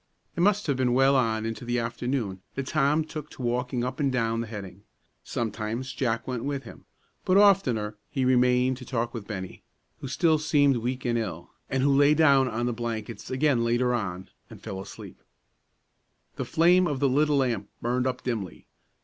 It must have been well on into the afternoon that Tom took to walking up and down the heading. Sometimes Jack went with him, but oftener he remained to talk with Bennie, who still seemed weak and ill, and who lay down on the blankets again later on, and fell asleep. The flame of the little lamp burned up dimly.